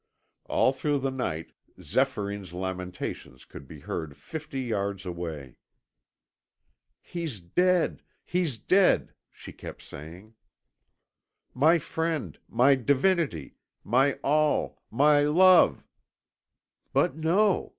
All through the night Zéphyrine's lamentations could be heard fifty yards away. "He's dead, he's dead!" she kept saying. "My friend, my divinity, my all, my love But no!